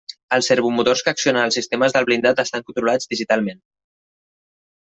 Els servomotors que accionen els sistemes del blindat estan controlats digitalment.